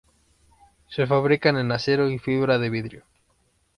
Se fabrican en acero y fibra de vidrio.